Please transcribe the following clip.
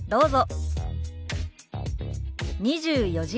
どうぞ。